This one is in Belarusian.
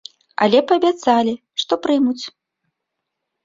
Але паабяцалі, што прымуць.